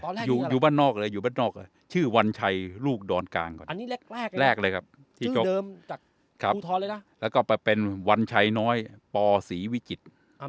ตอนแรกอยู่บ้านนอกเลยอยู่บ้านนอกเลยชื่อวันชัยลูกดอนกลางก่อนอันนี้แรกแรกแรกเลยครับชื่อเดิมจากครับแล้วก็ไปเป็นวันชัยน้อยปอศรีวิจิตรอ่า